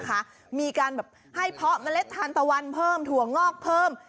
งั้นมีการให้พ็อกเท้ามะเล็ดทรันตะวันน้ำเพลิมถั่วงอกเพิ่ม